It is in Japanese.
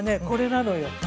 これなのよ。